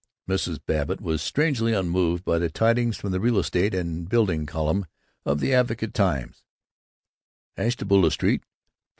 Mrs. Babbitt was strangely unmoved by the tidings from the Real Estate and Building column of the Advocate Times: Ashtabula Street, 496 J.